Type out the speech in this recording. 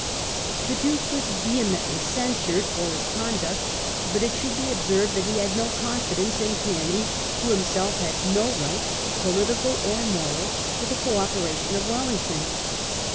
The Duke was vehemently censured for his conduct, but it should be observed that he had no confidence in Canning, who himself had no right, poHtical or moral, to the co opera tion of Wellington.